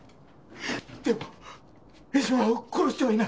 でも江島を殺してはいない！